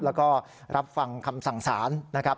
แล้วก็รับฟังคำสั่งสารนะครับ